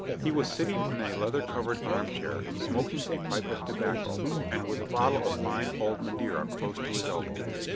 He was sitting in a leather covered armchair, smoking a pipe of tobacco, and with a bottle of fine old Madeira close to his elbow.